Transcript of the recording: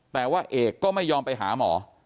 แต่ว่าเอกก็ไม่ยอมไปหาหมอ